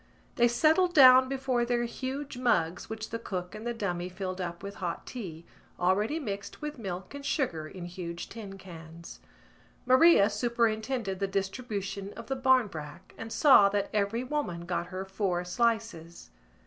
They settled down before their huge mugs which the cook and the dummy filled up with hot tea, already mixed with milk and sugar in huge tin cans. Maria superintended the distribution of the barmbrack and saw that every woman got her four slices.